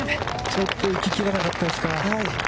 ちょっと行ききらなかったですか。